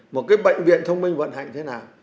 một cái bệnh viện thông minh vận hành thế nào